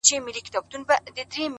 o د ميني اوبه وبهېږي؛